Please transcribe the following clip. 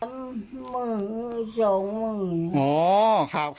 มึงโชงมึง